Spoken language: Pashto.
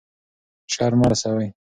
شر مه رسوئ.